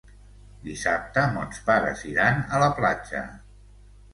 Dissabte mons pares iran a la platja.